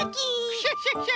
クシャシャシャ！